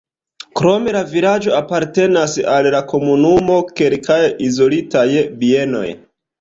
Krom la vilaĝo apartenas al la komunumo kelkaj izolitaj bienoj.